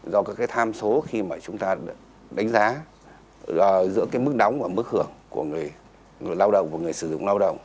do các cái tham số khi mà chúng ta đánh giá giữa cái mức đóng và mức hưởng của người lao động và người sử dụng lao động